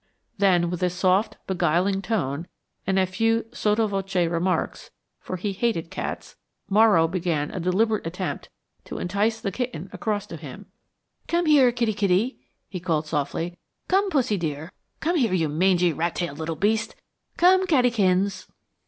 Then, with soft beguiling tone and a few sotto voce remarks, for he hated cats Morrow began a deliberate attempt to entice the kitten across to him. "Come here, kitty, kitty," he called softly. "Come, pussy dear! Come here, you mangy, rat tailed little beast! Come cattykins."